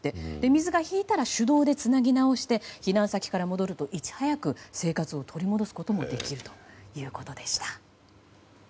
水が引いたら手動でつなぎ直して避難先から戻ると、いち早く生活を取り戻すこともできるということでした。